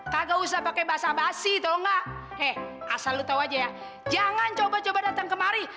kagak usah pakai basah basih toh enggak eh asal lu tahu aja ya jangan coba coba datang kemari